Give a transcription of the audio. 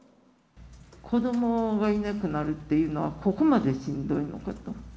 子どもがいなくなるっていうのは、ここまでしんどいのかと。